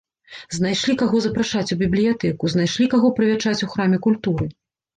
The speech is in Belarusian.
Знайшлі каго запрашаць у бібліятэку, знайшлі каго прывячаць у храме культуры!